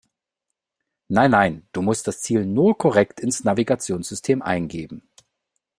Nein, nein, du musst das Ziel nur korrekt ins Navigationssystem eingeben.